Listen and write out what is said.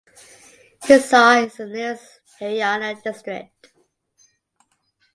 Hisar is the nearest Haryana district.